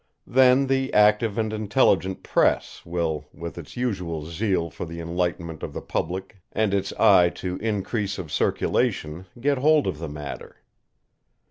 Then the active and intelligent Press will, with its usual zeal for the enlightenment of the public and its eye to increase of circulation, get hold of the matter.